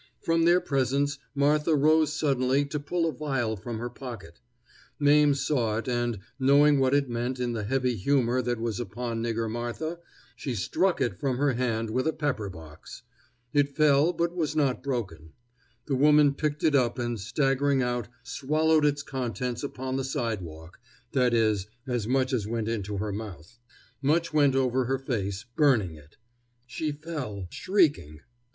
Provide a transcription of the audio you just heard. From their presence Martha rose suddenly to pull a vial from her pocket. Mame saw it, and, knowing what it meant in the heavy humor that was upon Nigger Martha, she struck it from her hand with a pepper box. It fell, but was not broken. The woman picked it up, and staggering out, swallowed its contents upon the sidewalk that is, as much as went into her mouth. Much went over her face, burning it. She fell shrieking.